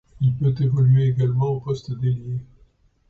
Il peut évoluer également au poste d'ailier.